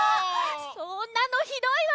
そんなのひどいわ！